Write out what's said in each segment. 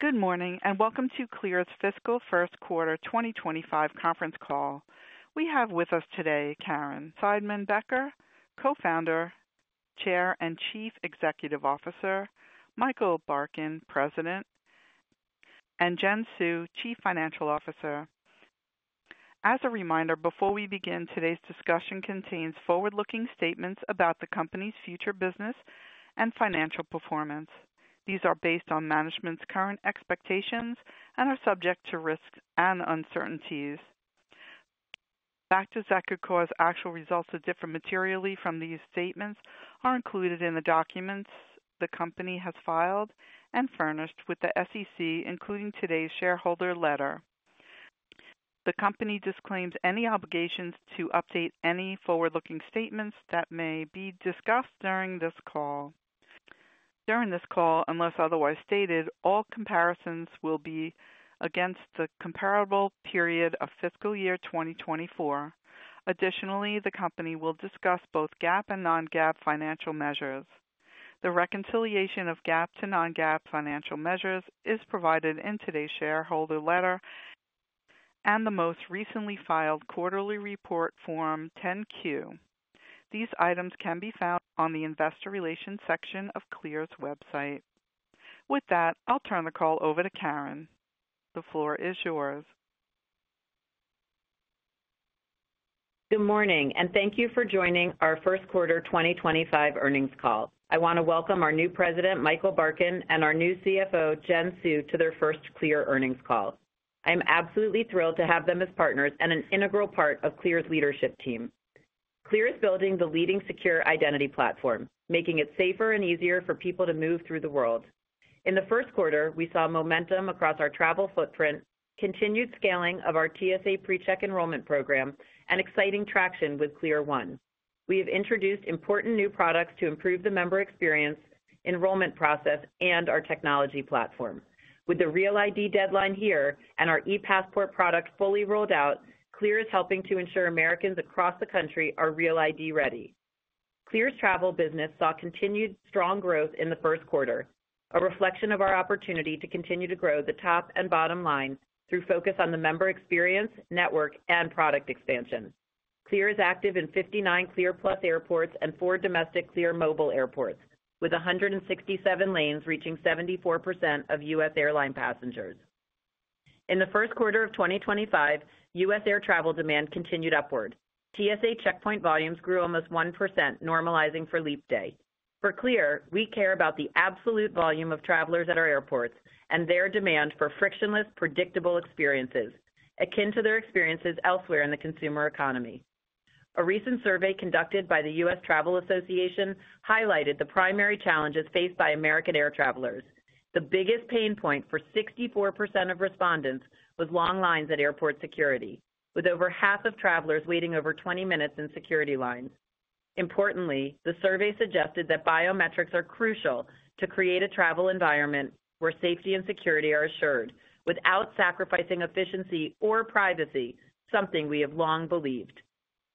Good morning and welcome to CLEAR's Fiscal First Quarter 2025 Conference Call. We have with us today Caryn Seidman-Becker, Co-founder, Chair and Chief Executive Officer; Michael Barkin, President; and Jen Hsu, Chief Financial Officer. As a reminder, before we begin, today's discussion contains forward-looking statements about the company's future business and financial performance. These are based on management's current expectations and are subject to risks and uncertainties. Factors that could cause actual results to differ materially from these statements are included in the documents the company has filed and furnished with the SEC, including today's shareholder letter. The company disclaims any obligations to update any forward-looking statements that may be discussed during this call. During this call, unless otherwise stated, all comparisons will be against the comparable period of fiscal year 2024. Additionally, the company will discuss both GAAP and non-GAAP financial measures. The reconciliation of GAAP to non-GAAP financial measures is provided in today's shareholder letter and the most recently filed quarterly report form 10-Q. These items can be found on the investor relations section of CLEAR's website. With that, I'll turn the call over to Caryn. The floor is yours. Good morning and thank you for joining our First Quarter 2025 Earnings Call. I want to welcome our new President, Michael Barkin, and our new CFO, Jen Hsu, to their first CLEAR earnings call. I am absolutely thrilled to have them as partners and an integral part of CLEAR's leadership team. CLEAR is building the leading secure identity platform, making it safer and easier for people to move through the world. In the first quarter, we saw momentum across our travel footprint, continued scaling of our TSA PreCheck enrollment program, and exciting traction with CLEAR1. We have introduced important new products to improve the member experience, enrollment process, and our technology platform. With the Real ID deadline here and our ePassport product fully rolled out, CLEAR is helping to ensure Americans across the country are Real ID ready. CLEAR's travel business saw continued strong growth in the first quarter, a reflection of our opportunity to continue to grow the top and bottom line through focus on the member experience, network, and product expansion. CLEAR is active in 59 CLEAR Plus airports and four domestic CLEAR Mobile airports, with 167 lanes reaching 74% of U.S. airline passengers. In the first quarter of 2025, U.S. air travel demand continued upward. TSA checkpoint volumes grew almost 1%, normalizing for leap day. For CLEAR, we care about the absolute volume of travelers at our airports and their demand for frictionless, predictable experiences, akin to their experiences elsewhere in the consumer economy. A recent survey conducted by the U.S. Travel Association highlighted the primary challenges faced by American air travelers. The biggest pain point for 64% of respondents was long lines at airport security, with over half of travelers waiting over 20 minutes in security lines. Importantly, the survey suggested that biometrics are crucial to create a travel environment where safety and security are assured without sacrificing efficiency or privacy, something we have long believed.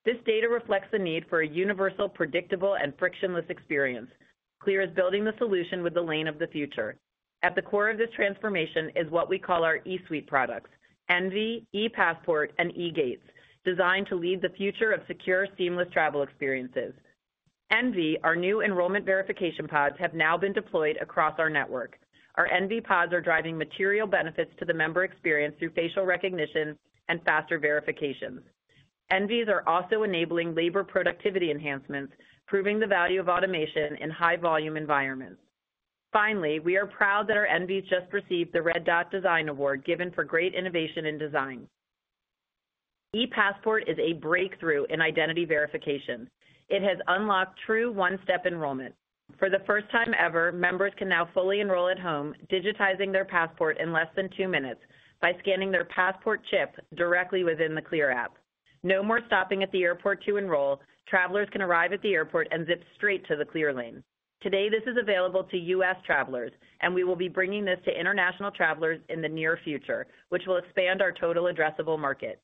This data reflects the need for a universal, predictable, and frictionless experience. CLEAR is building the solution with the Lane of the Future. At the core of this transformation is what we call our e-suite products: EnVe, ePassport, and eGates, designed to lead the future of secure, seamless travel experiences. EnVe, our new enrollment verification pods, have now been deployed across our network. Our EnVe pods are driving material benefits to the member experience through facial recognition and faster verification. EnVes are also enabling labor productivity enhancements, proving the value of automation in high-volume environments. Finally, we are proud that our EnVes just received the Red Dot Design Award, given for great innovation in design. ePassport is a breakthrough in identity verification. It has unlocked true one-step enrollment. For the first time ever, members can now fully enroll at home, digitizing their passport in less than two minutes by scanning their passport chip directly within the CLEAR app. No more stopping at the airport to enroll; travelers can arrive at the airport and zip straight to the CLEAR Lane. Today, this is available to U.S. travelers, and we will be bringing this to international travelers in the near future, which will expand our total addressable market.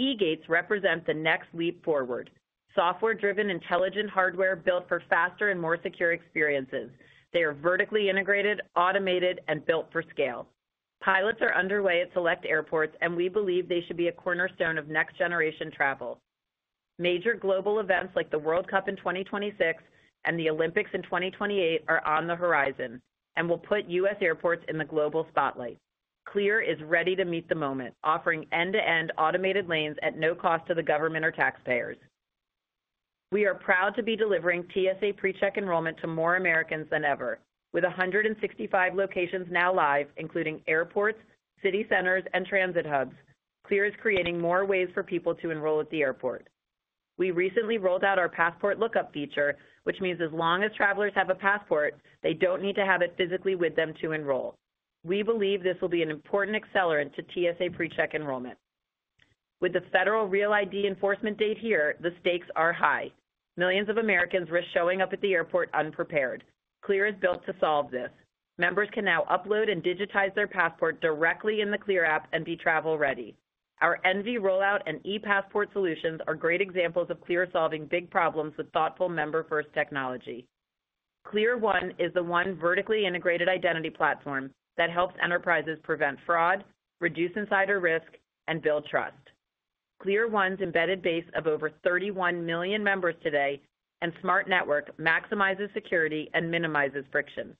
eGates represent the next leap forward: software-driven, intelligent hardware built for faster and more secure experiences. They are vertically integrated, automated, and built for scale. Pilots are underway at select airports, and we believe they should be a cornerstone of next-generation travel. Major global events like the World Cup in 2026 and the Olympics in 2028 are on the horizon and will put U.S. airports in the global spotlight. CLEAR is ready to meet the moment, offering end-to-end automated lanes at no cost to the government or taxpayers. We are proud to be delivering TSA PreCheck enrollment to more Americans than ever, with 165 locations now live, including airports, city centers, and transit hubs. CLEAR is creating more ways for people to enroll at the airport. We recently rolled out our passport lookup feature, which means as long as travelers have a passport, they do not need to have it physically with them to enroll. We believe this will be an important accelerant to TSA PreCheck enrollment. With the federal Real ID enforcement date here, the stakes are high. Millions of Americans risk showing up at the airport unprepared. CLEAR is built to solve this. Members can now upload and digitize their passport directly in the CLEAR app and be travel ready. Our Envy rollout and ePassport solutions are great examples of CLEAR solving big problems with thoughtful member-first technology. CLEAR1 is the one vertically integrated identity platform that helps enterprises prevent fraud, reduce insider risk, and build trust. CLEAR1's embedded base of over 31 million members today and smart network maximizes security and minimizes friction.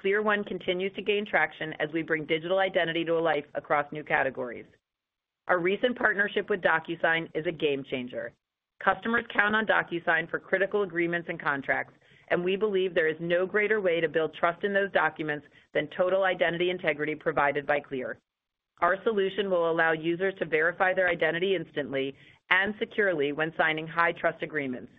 CLEAR1 continues to gain traction as we bring digital identity to life across new categories. Our recent partnership with DocuSign is a game changer. Customers count on DocuSign for critical agreements and contracts, and we believe there is no greater way to build trust in those documents than total identity integrity provided by CLEAR. Our solution will allow users to verify their identity instantly and securely when signing high-trust agreements,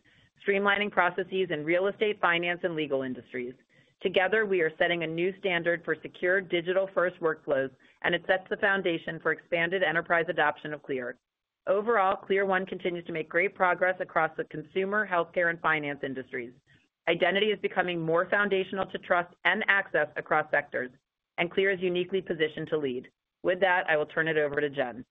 streamlining processes in real estate, finance, and legal industries. Together, we are setting a new standard for secure, digital-first workflows, and it sets the foundation for expanded enterprise adoption of CLEAR. Overall, CLEAR1 continues to make great progress across the consumer, healthcare, and finance industries. Identity is becoming more foundational to trust and access across sectors, and CLEAR is uniquely positioned to lead. With that, I will turn it over to Jen.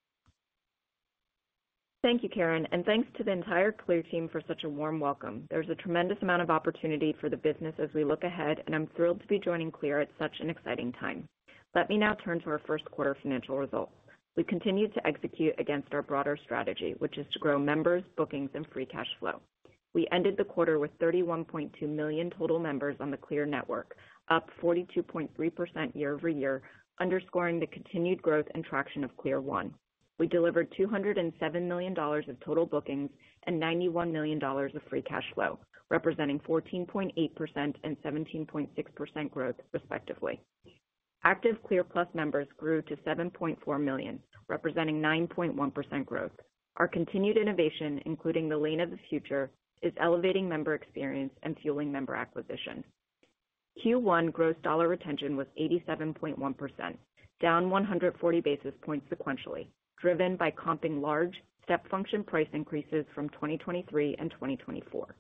Thank you, Caryn, and thanks to the entire CLEAR team for such a warm welcome. There is a tremendous amount of opportunity for the business as we look ahead, and I'm thrilled to be joining CLEAR at such an exciting time. Let me now turn to our first quarter financial results. We continue to execute against our broader strategy, which is to grow members, bookings, and free cash flow. We ended the quarter with 31.2 million total members on the CLEAR network, up 42.3% year over year, underscoring the continued growth and traction of CLEAR1. We delivered $207 million of total bookings and $91 million of free cash flow, representing 14.8% and 17.6% growth, respectively. Active CLEAR+ members grew to 7.4 million, representing 9.1% growth. Our continued innovation, including the Lane of the Future, is elevating member experience and fueling member acquisition. Q1 gross dollar retention was 87.1%, down 140 basis points sequentially, driven by comping large step function price increases from 2023 and 2024.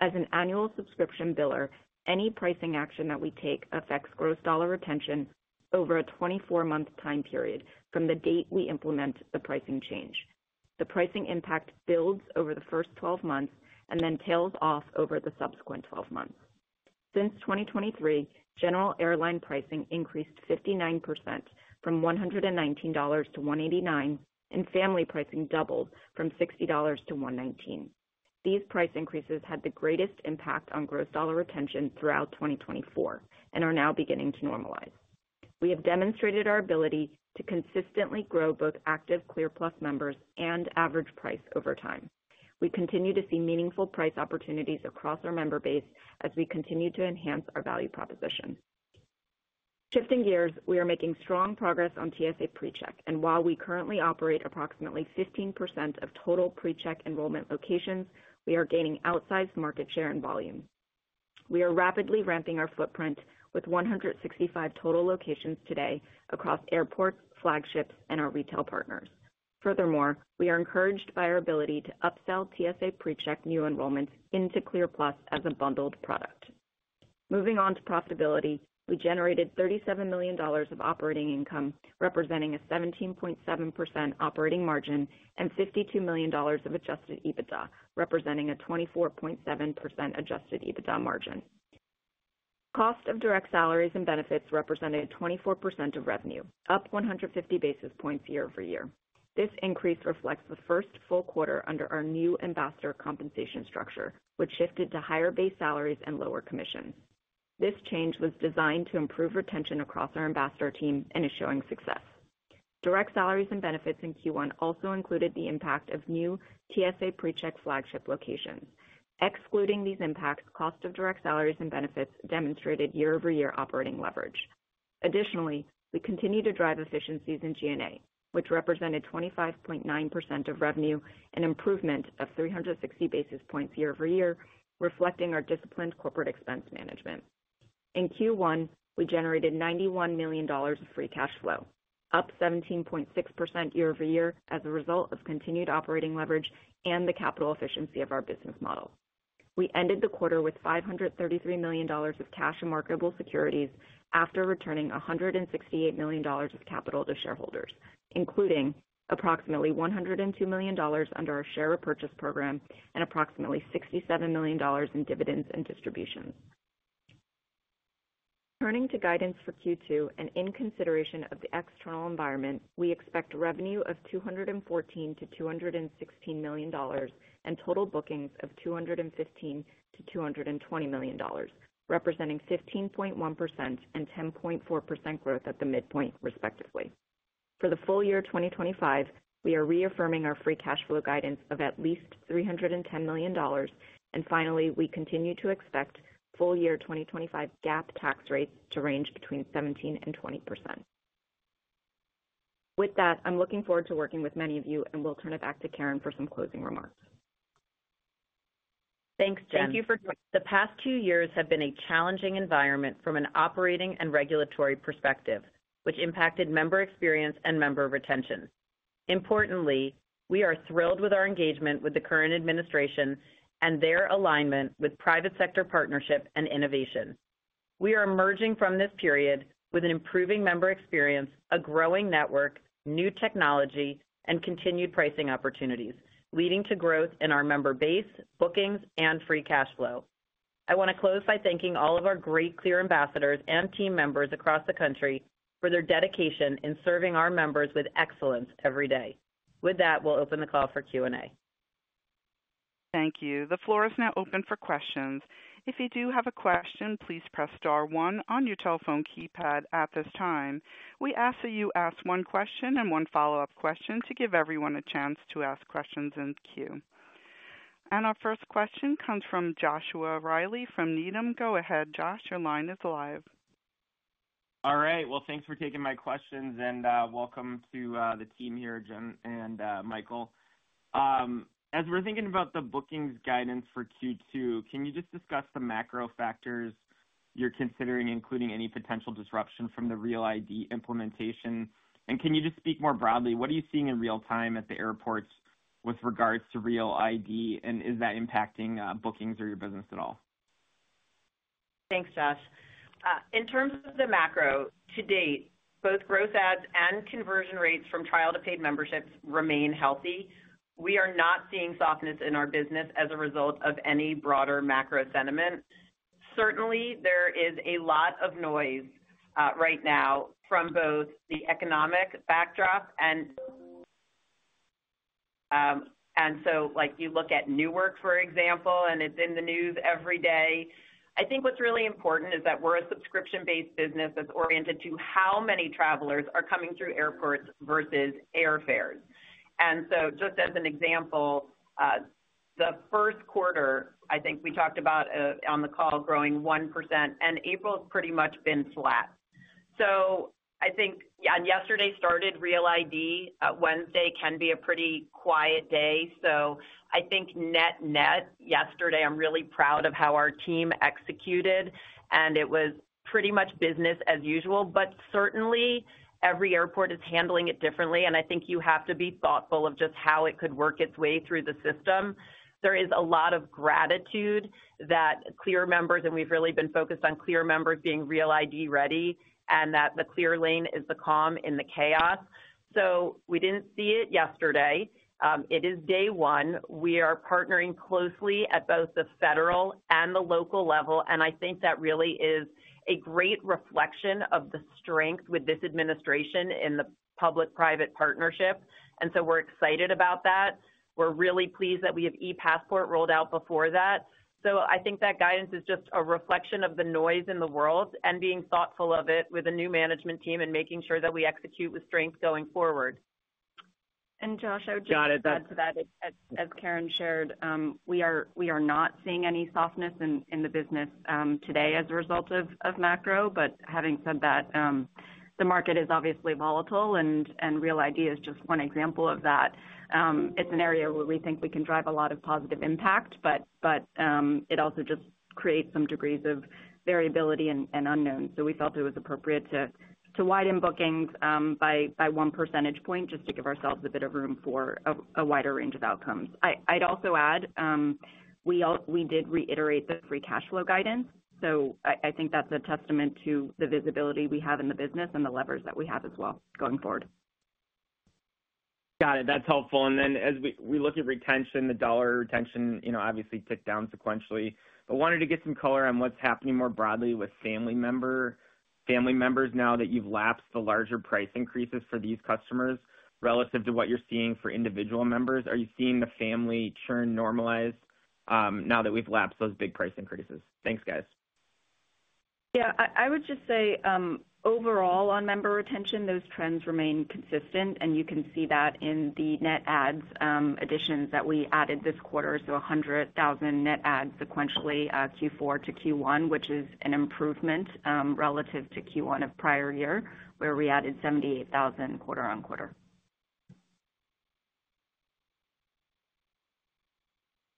As an annual subscription biller, any pricing action that we take affects gross dollar retention over a 24-month time period from the date we implement the pricing change. The pricing impact builds over the first 12 months and then tails off over the subsequent 12 months. Since 2023, general airline pricing increased 59% from $119 to $189, and family pricing doubled from $60 to $119. These price increases had the greatest impact on gross dollar retention throughout 2024 and are now beginning to normalize. We have demonstrated our ability to consistently grow both active CLEAR+ members and average price over time. We continue to see meaningful price opportunities across our member base as we continue to enhance our value proposition. Shifting gears, we are making strong progress on TSA PreCheck, and while we currently operate approximately 15% of total PreCheck enrollment locations, we are gaining outsized market share and volume. We are rapidly ramping our footprint with 165 total locations today across airports, flagships, and our retail partners. Furthermore, we are encouraged by our ability to upsell TSA PreCheck new enrollments into CLEAR+ as a bundled product. Moving on to profitability, we generated $37 million of operating income, representing a 17.7% operating margin, and $52 million of adjusted EBITDA, representing a 24.7% adjusted EBITDA margin. Cost of direct salaries and benefits represented 24% of revenue, up 150 basis points year over year. This increase reflects the first full quarter under our new ambassador compensation structure, which shifted to higher base salaries and lower commission. This change was designed to improve retention across our ambassador team and is showing success. Direct salaries and benefits in Q1 also included the impact of new TSA PreCheck flagship locations. Excluding these impacts, cost of direct salaries and benefits demonstrated year-over-year operating leverage. Additionally, we continue to drive efficiencies in G&A, which represented 25.9% of revenue and improvement of 360 basis points year over year, reflecting our disciplined corporate expense management. In Q1, we generated $91 million of free cash flow, up 17.6% year over year as a result of continued operating leverage and the capital efficiency of our business model. We ended the quarter with $533 million of cash and marketable securities after returning $168 million of capital to shareholders, including approximately $102 million under our share purchase program and approximately $67 million in dividends and distributions. Turning to guidance for Q2 and in consideration of the external environment, we expect revenue of $214-$216 million and total bookings of $215-$220 million, representing 15.1% and 10.4% growth at the midpoint, respectively. For the full year 2025, we are reaffirming our free cash flow guidance of at least $310 million, and finally, we continue to expect full year 2025 GAAP tax rates to range between 17%-20%. With that, I'm looking forward to working with many of you, and we'll turn it back to Caryn for some closing remarks. Thanks, Jen. Thank you for joining. The past two years have been a challenging environment from an operating and regulatory perspective, which impacted member experience and member retention. Importantly, we are thrilled with our engagement with the current administration and their alignment with private sector partnership and innovation. We are emerging from this period with an improving member experience, a growing network, new technology, and continued pricing opportunities, leading to growth in our member base, bookings, and free cash flow. I want to close by thanking all of our great CLEAR ambassadors and team members across the country for their dedication in serving our members with excellence every day. With that, we'll open the call for Q&A. Thank you. The floor is now open for questions. If you do have a question, please press star one on your telephone keypad at this time. We ask that you ask one question and one follow-up question to give everyone a chance to ask questions in queue. Our first question comes from Joshua Reilly from Needham. Go ahead, Josh. Your line is live. All right. Thanks for taking my questions, and welcome to the team here, Jen and Michael. As we're thinking about the bookings guidance for Q2, can you just discuss the macro factors you're considering, including any potential disruption from the Real ID implementation? Can you just speak more broadly? What are you seeing in real time at the airports with regards to Real ID, and is that impacting bookings or your business at all? Thanks, Josh. In terms of the macro, to date, both growth ads and conversion rates from trial-to-paid memberships remain healthy. We are not seeing softness in our business as a result of any broader macro sentiment. Certainly, there is a lot of noise right now from both the economic backdrop and, and you look at Newark, for example, and it is in the news every day. I think what is really important is that we are a subscription-based business that is oriented to how many travelers are coming through airports versus airfares. Just as an example, the first quarter, I think we talked about on the call, growing 1%, and April has pretty much been flat. I think, and yesterday started Real ID. Wednesday can be a pretty quiet day. I think net-net yesterday, I'm really proud of how our team executed, and it was pretty much business as usual, but certainly every airport is handling it differently, and I think you have to be thoughtful of just how it could work its way through the system. There is a lot of gratitude that CLEAR members, and we've really been focused on CLEAR members being Real ID ready, and that the CLEAR lane is the calm in the chaos. We didn't see it yesterday. It is day one. We are partnering closely at both the federal and the local level, and I think that really is a great reflection of the strength with this administration in the public-private partnership. We're excited about that. We're really pleased that we have ePassport rolled out before that. I think that guidance is just a reflection of the noise in the world and being thoughtful of it with a new management team and making sure that we execute with strength going forward. Josh, I would just add to that. Got it. As Caryn shared, we are not seeing any softness in the business today as a result of macro. Having said that, the market is obviously volatile, and Real ID is just one example of that. It is an area where we think we can drive a lot of positive impact, but it also just creates some degrees of variability and unknown. We felt it was appropriate to widen bookings by one percentage point just to give ourselves a bit of room for a wider range of outcomes. I'd also add we did reiterate the free cash flow guidance. I think that's a testament to the visibility we have in the business and the levers that we have as well going forward. Got it. That's helpful. As we look at retention, the dollar retention obviously ticked down sequentially, but wanted to get some color on what's happening more broadly with family members. Family members, now that you've lapsed the larger price increases for these customers relative to what you're seeing for individual members, are you seeing the family churn normalized now that we've lapsed those big price increases? Thanks, guys. Yeah. I would just say overall on member retention, those trends remain consistent, and you can see that in the net ads additions that we added this quarter. $100,000 net ads sequentially Q4 to Q1, which is an improvement relative to Q1 of prior year where we added $78,000 quarter on quarter.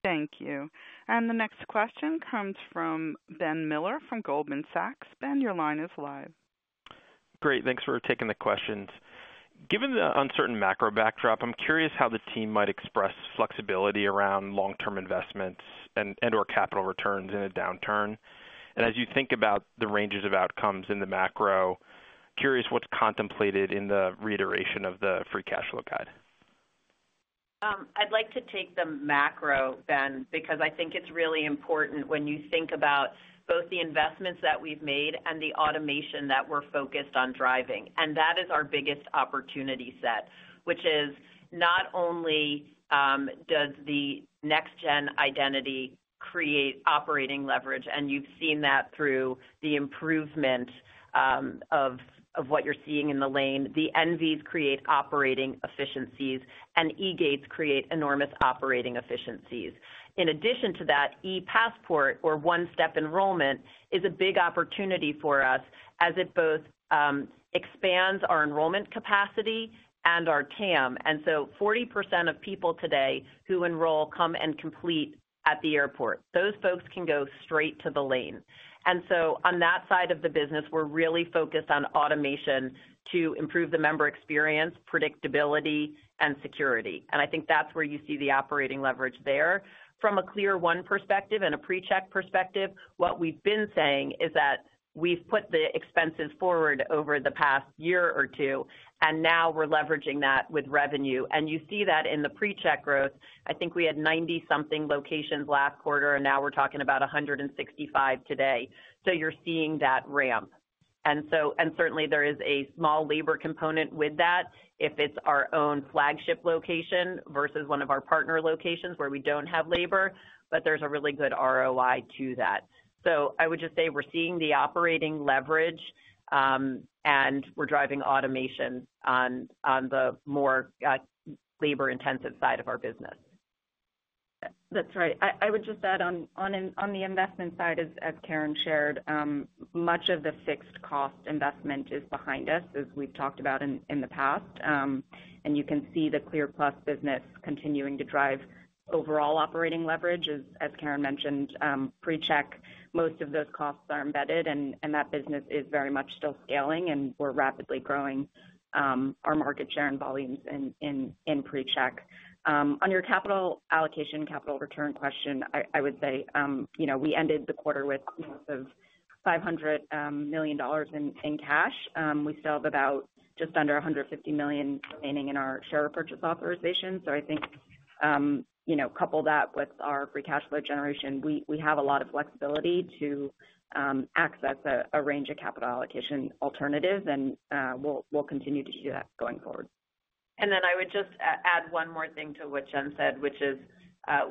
Thank you. The next question comes from Ben Miller from Goldman Sachs. Ben, your line is live. Great. Thanks for taking the questions. Given the uncertain macro backdrop, I'm curious how the team might express flexibility around long-term investments and/or capital returns in a downturn. As you think about the ranges of outcomes in the macro, curious what's contemplated in the reiteration of the free cash flow guide. I'd like to take the macro, Ben, because I think it's really important when you think about both the investments that we've made and the automation that we're focused on driving. That is our biggest opportunity set, which is not only does the next-gen identity create operating leverage, and you've seen that through the improvement of what you're seeing in the lane. The EnVe pods create operating efficiencies, and eGates create enormous operating efficiencies. In addition to that, ePassport or One Step Enrollment is a big opportunity for us as it both expands our enrollment capacity and our TAM. 40% of people today who enroll come and complete at the airport. Those folks can go straight to the lane. On that side of the business, we're really focused on automation to improve the member experience, predictability, and security. I think that's where you see the operating leverage there. From a CLEAR1 perspective and a PreCheck perspective, what we've been saying is that we've put the expenses forward over the past year or two, and now we're leveraging that with revenue. You see that in the PreCheck growth. I think we had 90-something locations last quarter, and now we're talking about 165 today. You're seeing that ramp. Certainly, there is a small labor component with that if it's our own flagship location versus one of our partner locations where we don't have labor, but there's a really good ROI to that. I would just say we're seeing the operating leverage, and we're driving automation on the more labor-intensive side of our business. That's right. I would just add on the investment side, as Caryn shared, much of the fixed cost investment is behind us, as we've talked about in the past. You can see the CLEAR+ business continuing to drive overall operating leverage. As Caryn mentioned, PreCheck, most of those costs are embedded, and that business is very much still scaling, and we're rapidly growing our market share and volumes in PreCheck. On your capital allocation, capital return question, I would say we ended the quarter with north of $500 million in cash. We still have about just under $150 million remaining in our share purchase authorization. I think couple that with our free cash flow generation, we have a lot of flexibility to access a range of capital allocation alternatives, and we'll continue to do that going forward. I would just add one more thing to what Jen said, which is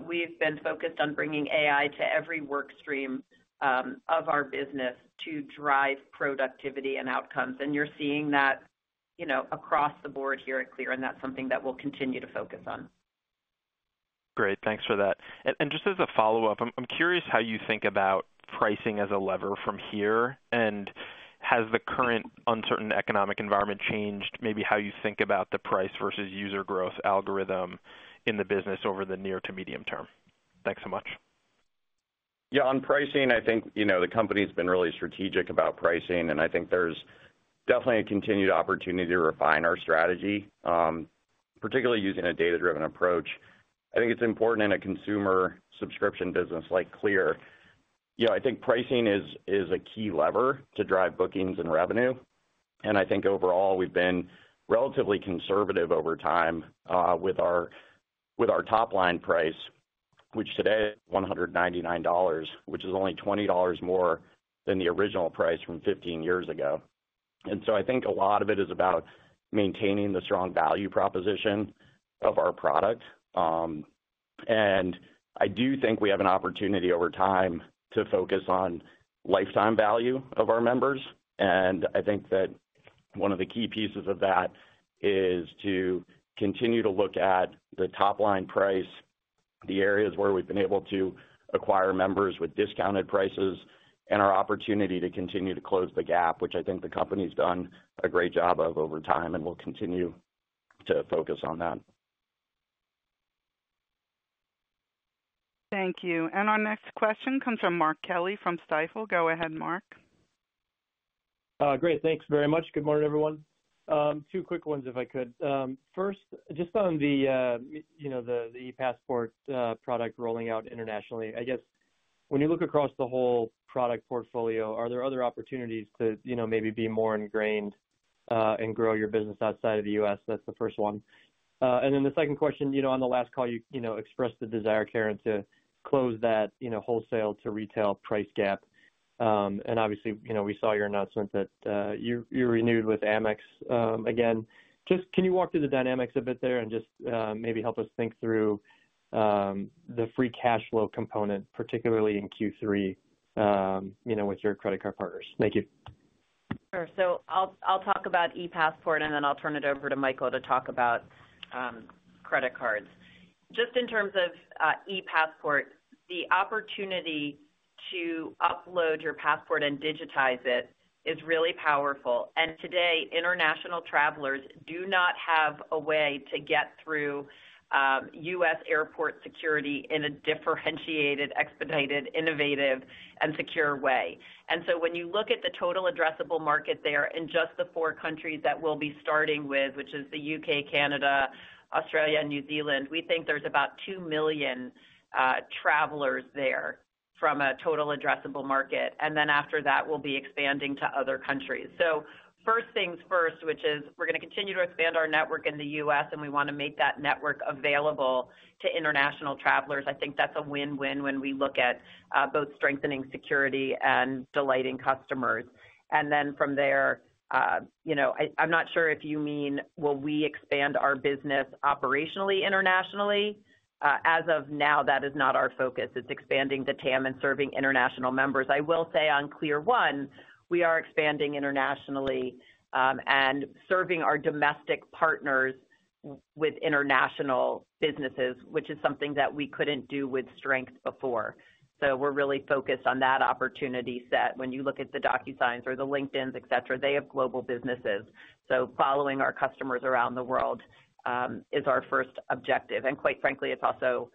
we've been focused on bringing AI to every workstream of our business to drive productivity and outcomes. You're seeing that across the board here at CLEAR, and that's something that we'll continue to focus on. Great. Thanks for that. Just as a follow-up, I'm curious how you think about pricing as a lever from here, and has the current uncertain economic environment changed maybe how you think about the price versus user growth algorithm in the business over the near to medium term? Thanks so much. Yeah. On pricing, I think the company has been really strategic about pricing, and I think there's definitely a continued opportunity to refine our strategy, particularly using a data-driven approach. I think it's important in a consumer subscription business like CLEAR. I think pricing is a key lever to drive bookings and revenue. I think overall, we've been relatively conservative over time with our top line price, which today is $199, which is only $20 more than the original price from 15 years ago. I think a lot of it is about maintaining the strong value proposition of our product. I do think we have an opportunity over time to focus on lifetime value of our members. I think that one of the key pieces of that is to continue to look at the top line price, the areas where we've been able to acquire members with discounted prices, and our opportunity to continue to close the gap, which I think the company has done a great job of over time and will continue to focus on that. Thank you. Our next question comes from Mark Kelly from Stifel. Go ahead, Mark. Great. Thanks very much. Good morning, everyone. Two quick ones, if I could. First, just on the ePassport product rolling out internationally, I guess when you look across the whole product portfolio, are there other opportunities to maybe be more ingrained and grow your business outside of the U.S.? That's the first one. The second question, on the last call, you expressed the desire, Caryn, to close that wholesale to retail price gap. Obviously, we saw your announcement that you renewed with American Express again. Just can you walk through the dynamics a bit there and just maybe help us think through the free cash flow component, particularly in Q3 with your credit card partners? Thank you. Sure. I'll talk about ePassport, and then I'll turn it over to Michael to talk about credit cards. Just in terms of ePassport, the opportunity to upload your passport and digitize it is really powerful. Today, international travelers do not have a way to get through U.S. airport security in a differentiated, expedited, innovative, and secure way. When you look at the total addressable market there in just the four countries that we'll be starting with, which is the U.K., Canada, Australia, and New Zealand, we think there's about 2 million travelers there from a total addressable market. After that, we'll be expanding to other countries. First things first, we're going to continue to expand our network in the U.S., and we want to make that network available to international travelers. I think that's a win-win when we look at both strengthening security and delighting customers. From there, I'm not sure if you mean, will we expand our business operationally internationally? As of now, that is not our focus. It's expanding the TAM and serving international members. I will say on CLEAR1, we are expanding internationally and serving our domestic partners with international businesses, which is something that we couldn't do with strength before. We're really focused on that opportunity set. When you look at the DocuSigns or the LinkedIns, etc., they have global businesses. Following our customers around the world is our first objective. Quite frankly, it's also,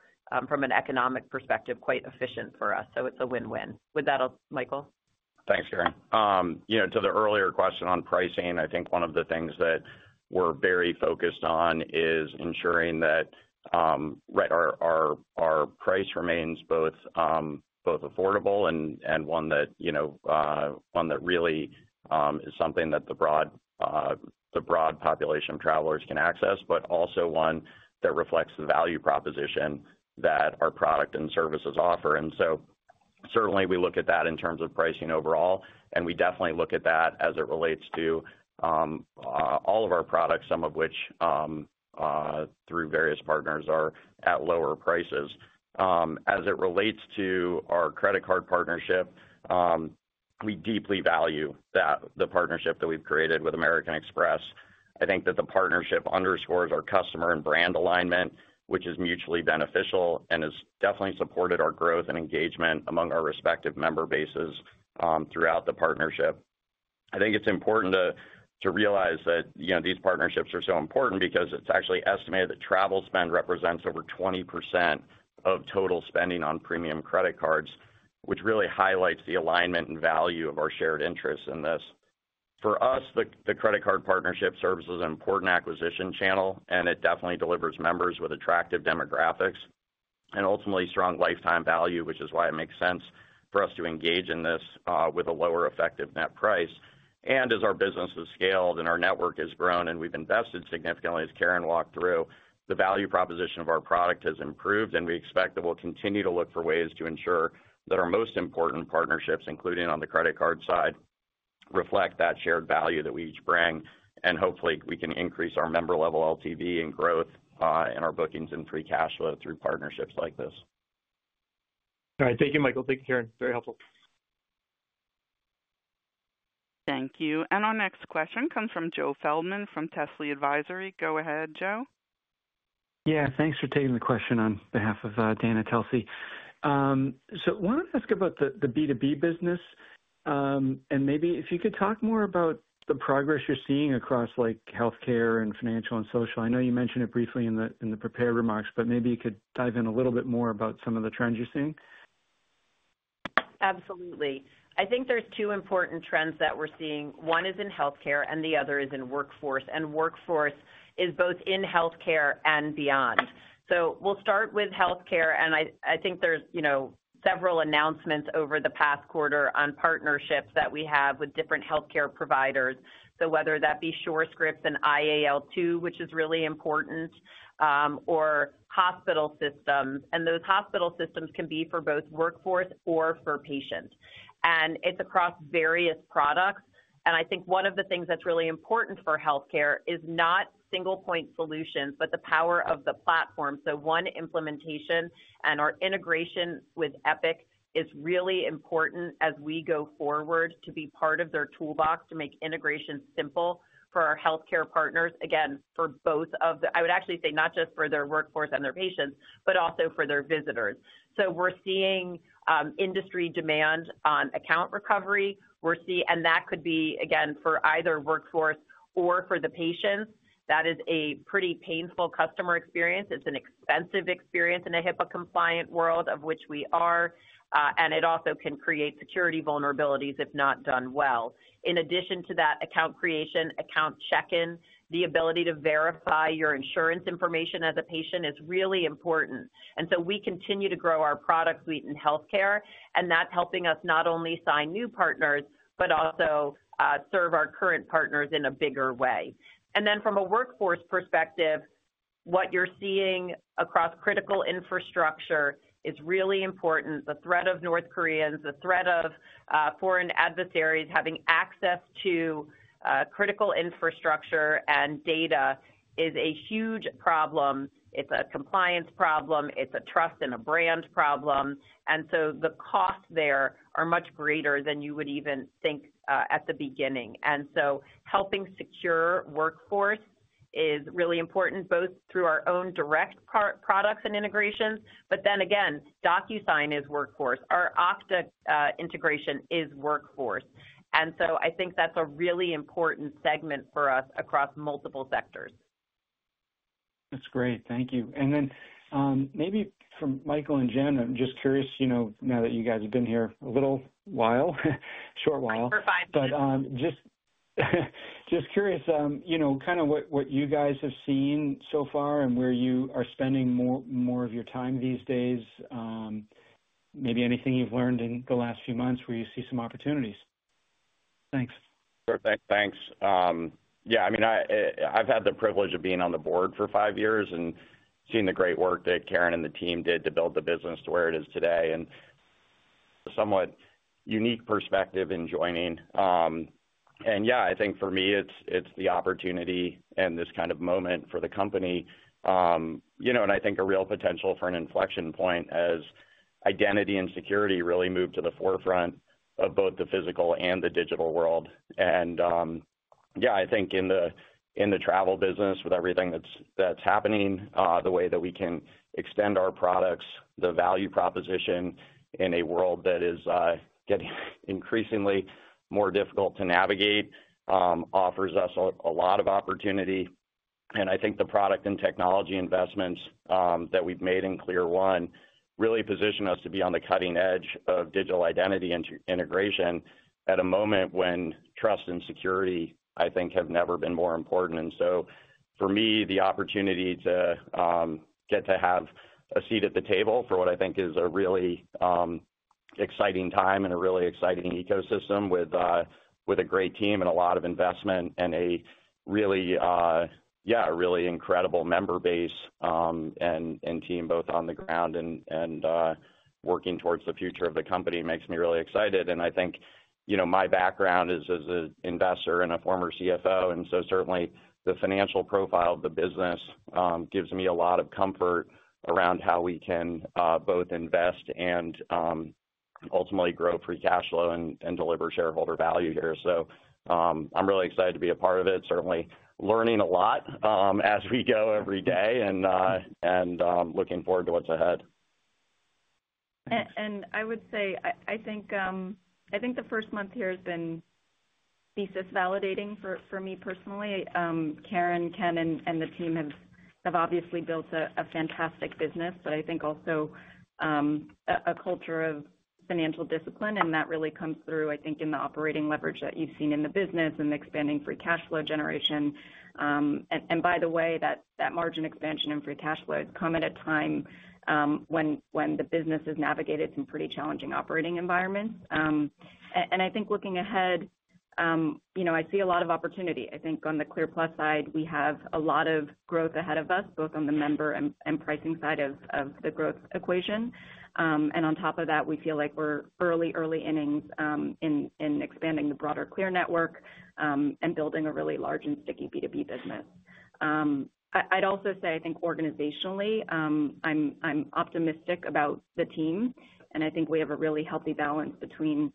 from an economic perspective, quite efficient for us. It's a win-win. With that, Michael. Thanks, Caryn. To the earlier question on pricing, I think one of the things that we're very focused on is ensuring that our price remains both affordable and one that really is something that the broad population of travelers can access, but also one that reflects the value proposition that our product and services offer. Certainly, we look at that in terms of pricing overall, and we definitely look at that as it relates to all of our products, some of which through various partners are at lower prices. As it relates to our credit card partnership, we deeply value the partnership that we've created with American Express. I think that the partnership underscores our customer and brand alignment, which is mutually beneficial and has definitely supported our growth and engagement among our respective member bases throughout the partnership. I think it's important to realize that these partnerships are so important because it's actually estimated that travel spend represents over 20% of total spending on premium credit cards, which really highlights the alignment and value of our shared interests in this. For us, the credit card partnership serves as an important acquisition channel, and it definitely delivers members with attractive demographics and ultimately strong lifetime value, which is why it makes sense for us to engage in this with a lower effective net price. As our business has scaled and our network has grown and we've invested significantly, as Caryn walked through, the value proposition of our product has improved, and we expect that we'll continue to look for ways to ensure that our most important partnerships, including on the credit card side, reflect that shared value that we each bring. Hopefully, we can increase our member-level LTV and growth in our bookings and free cash flow through partnerships like this. All right. Thank you, Michael. Thank you, Caryn. Very helpful. Thank you. Our next question comes from Joe Feldman from Tesly Advisory. Go ahead, Joe. Yeah. Thanks for taking the question on behalf of Dana Telsey. I want to ask about the B2B business, and maybe if you could talk more about the progress you're seeing across healthcare and financial and social. I know you mentioned it briefly in the prepared remarks, but maybe you could dive in a little bit more about some of the trends you're seeing. Absolutely. I think there are two important trends that we are seeing. One is in healthcare, and the other is in workforce. Workforce is both in healthcare and beyond. I will start with healthcare, and I think there have been several announcements over the past quarter on partnerships that we have with different healthcare providers. Whether that be SureScripts and IAL2, which is really important, or hospital systems. Those hospital systems can be for both workforce or for patients. It is across various products. I think one of the things that is really important for healthcare is not single-point solutions, but the power of the platform. One implementation and our integration with Epic is really important as we go forward to be part of their toolbox to make integration simple for our healthcare partners, again, for both of the—I would actually say not just for their workforce and their patients, but also for their visitors. We are seeing industry demand on account recovery. That could be, again, for either workforce or for the patients. That is a pretty painful customer experience. It is an expensive experience in a HIPAA-compliant world, of which we are. It also can create security vulnerabilities if not done well. In addition to that, account creation, account check-in, the ability to verify your insurance information as a patient is really important. We continue to grow our product suite in healthcare, and that's helping us not only sign new partners, but also serve our current partners in a bigger way. From a workforce perspective, what you're seeing across critical infrastructure is really important. The threat of North Koreans, the threat of foreign adversaries having access to critical infrastructure and data is a huge problem. It's a compliance problem. It's a trust and a brand problem. The costs there are much greater than you would even think at the beginning. Helping secure workforce is really important, both through our own direct products and integrations, but then again, DocuSign is workforce. Our Okta integration is workforce. I think that's a really important segment for us across multiple sectors. That's great. Thank you. Maybe for Michael and Jen, I'm just curious, now that you guys have been here a little while, short while. Over five years. Just curious, kind of what you guys have seen so far and where you are spending more of your time these days, maybe anything you've learned in the last few months where you see some opportunities. Thanks. Sure. Thanks. Yeah. I mean, I've had the privilege of being on the board for five years and seeing the great work that Caryn and the team did to build the business to where it is today and a somewhat unique perspective in joining. Yeah, I think for me, it's the opportunity and this kind of moment for the company. I think a real potential for an inflection point as identity and security really move to the forefront of both the physical and the digital world. Yeah, I think in the travel business, with everything that's happening, the way that we can extend our products, the value proposition in a world that is getting increasingly more difficult to navigate offers us a lot of opportunity. I think the product and technology investments that we have made in CLEAR1 really position us to be on the cutting edge of digital identity and integration at a moment when trust and security, I think, have never been more important. For me, the opportunity to get to have a seat at the table for what I think is a really exciting time and a really exciting ecosystem with a great team and a lot of investment and a really, yeah, a really incredible member base and team both on the ground and working towards the future of the company makes me really excited. I think my background is as an investor and a former CFO, and so certainly the financial profile of the business gives me a lot of comfort around how we can both invest and ultimately grow free cash flow and deliver shareholder value here. I'm really excited to be a part of it, certainly learning a lot as we go every day and looking forward to what's ahead. I would say I think the first month here has been thesis validating for me personally. Caryn, Ken, and the team have obviously built a fantastic business, but I think also a culture of financial discipline. That really comes through, I think, in the operating leverage that you've seen in the business and the expanding free cash flow generation. By the way, that margin expansion in free cash flow has come at a time when the business has navigated some pretty challenging operating environments. I think looking ahead, I see a lot of opportunity. I think on the CLEAR+ side, we have a lot of growth ahead of us, both on the member and pricing side of the growth equation. On top of that, we feel like we're early, early innings in expanding the broader CLEAR network and building a really large and sticky B2B business. I'd also say, I think organizationally, I'm optimistic about the team, and I think we have a really healthy balance between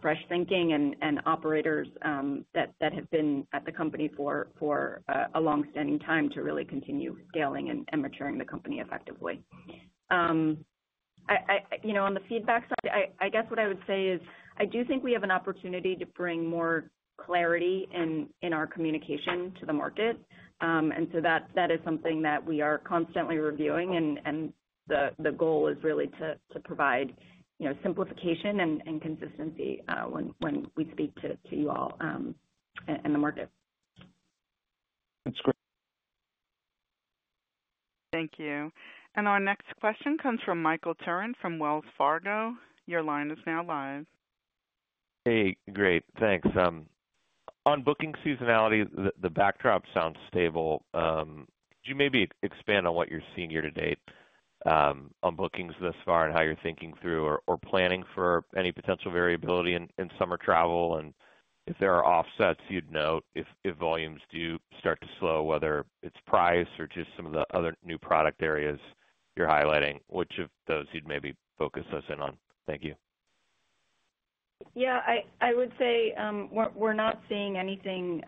fresh thinking and operators that have been at the company for a long-standing time to really continue scaling and maturing the company effectively. On the feedback side, I guess what I would say is I do think we have an opportunity to bring more clarity in our communication to the market. That is something that we are constantly reviewing, and the goal is really to provide simplification and consistency when we speak to you all and the market. That's great. Thank you. Our next question comes from Michael Turrin from Wells Fargo. Your line is now live. Hey. Great. Thanks. On booking seasonality, the backdrop sounds stable. Could you maybe expand on what you're seeing year to date on bookings thus far and how you're thinking through or planning for any potential variability in summer travel? If there are offsets, you'd note if volumes do start to slow, whether it's price or just some of the other new product areas you're highlighting, which of those you'd maybe focus us in on? Thank you. Yeah. I would say we're not seeing anything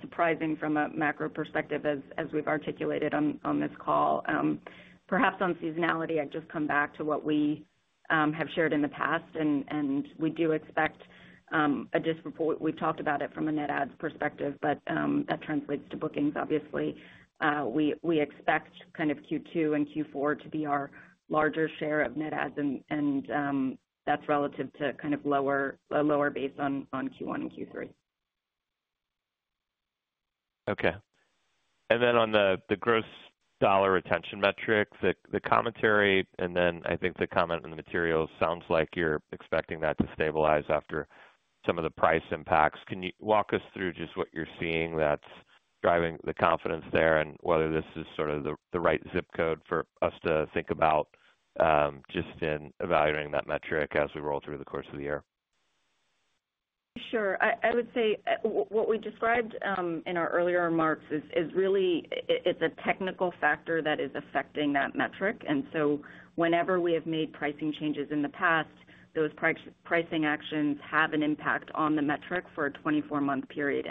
surprising from a macro perspective as we've articulated on this call. Perhaps on seasonality, I'd just come back to what we have shared in the past, and we do expect a disappointment. We've talked about it from a Net Ads perspective, but that translates to bookings, obviously. We expect kind of Q2 and Q4 to be our larger share of Net Ads, and that's relative to kind of lower base on Q1 and Q3. Okay. On the gross dollar retention metrics, the commentary, and then I think the comment on the materials sounds like you're expecting that to stabilize after some of the price impacts. Can you walk us through just what you're seeing that's driving the confidence there and whether this is sort of the right zip code for us to think about just in evaluating that metric as we roll through the course of the year? Sure. I would say what we described in our earlier remarks is really it's a technical factor that is affecting that metric. Whenever we have made pricing changes in the past, those pricing actions have an impact on the metric for a 24-month period.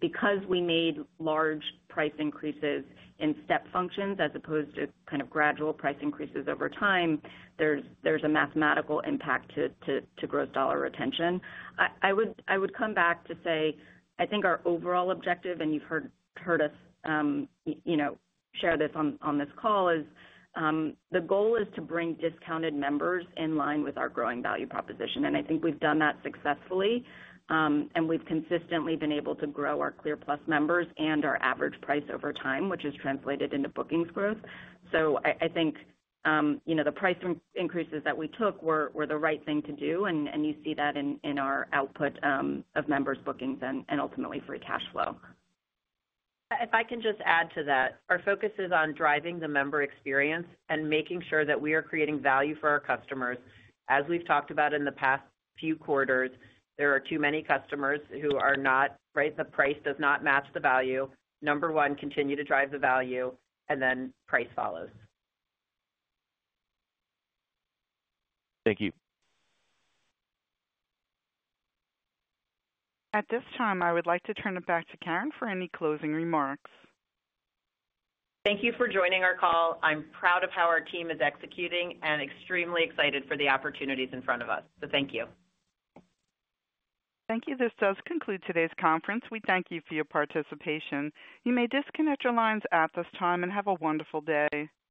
Because we made large price increases in step functions as opposed to kind of gradual price increases over time, there is a mathematical impact to gross dollar retention. I would come back to say, I think our overall objective, and you've heard us share this on this call, is the goal is to bring discounted members in line with our growing value proposition. I think we've done that successfully, and we've consistently been able to grow our CLEAR+ members and our average price over time, which has translated into bookings growth. I think the price increases that we took were the right thing to do, and you see that in our output of members' bookings and ultimately free cash flow. If I can just add to that, our focus is on driving the member experience and making sure that we are creating value for our customers. As we've talked about in the past few quarters, there are too many customers who are not. Right? The price does not match the value. Number one, continue to drive the value, and then price follows. Thank you. At this time, I would like to turn it back to Caryn for any closing remarks. Thank you for joining our call. I'm proud of how our team is executing and extremely excited for the opportunities in front of us. Thank you. Thank you. This does conclude today's conference. We thank you for your participation. You may disconnect your lines at this time and have a wonderful day.